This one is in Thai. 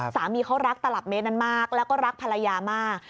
สามีเขารักตลับเมตรนั้นมากแล้วก็รักภรรยามาก